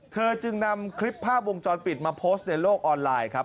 เธอจึงนำคลิปภาพวงจรปิดมาโพสต์ในโลกออนไลน์ครับ